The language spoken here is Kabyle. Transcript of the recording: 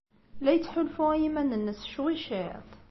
La yettḥulfu i yiman-nnes ccwi cwiṭ?